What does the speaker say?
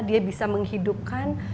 dia bisa menghidupkan